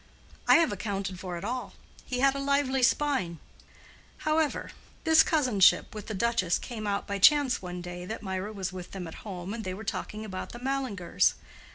I have accounted for it all—he had a lively spine. However, this cousinship with the duchess came out by chance one day that Mirah was with them at home and they were talking about the Mallingers.